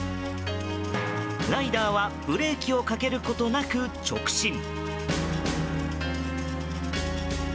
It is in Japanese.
ライダーはブレーキをかけることなく直進。